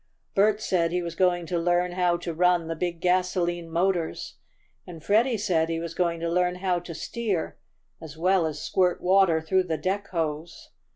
Bert said he was going to learn how to run the big gasolene motors, and Freddie said he was going to learn how to steer, as well as squirt water through the deck hose.